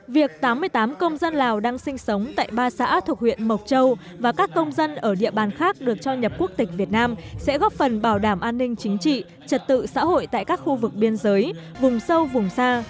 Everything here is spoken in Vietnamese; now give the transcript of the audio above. việc tám mươi tám công dân lào đang sinh sống tại ba xã thuộc huyện mộc châu và các công dân ở địa bàn khác được cho nhập quốc tịch việt nam sẽ góp phần bảo đảm an ninh chính trị trật tự xã hội tại các khu vực biên giới vùng sâu vùng xa